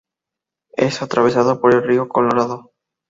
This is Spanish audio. Es atravesado por el río Colorado.